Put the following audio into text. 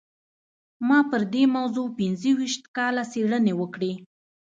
ما پر دې موضوع پينځه ويشت کاله څېړنې وکړې.